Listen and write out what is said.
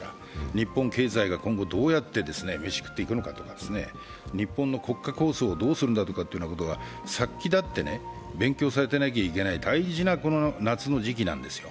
日本経済が今後どうやって飯食っていくのかとか、日本の国家構想をどうするんだということは殺気立って勉強されていかなきゃいけない大事なこの夏の時期なんですよ。